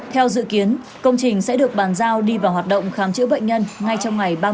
theo dự kiến công trình sẽ được bàn giao đi vào hoạt động khám chữa bệnh nhân ngay trong ngày ba mươi